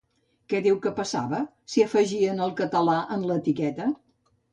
Què diu que passava si afegien el català en l'etiqueta?